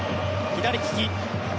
左利き。